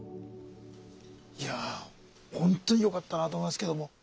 いやほんとによかったなと思いますけども。